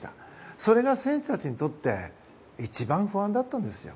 それが選手たちにとって一番不安だったんですよ。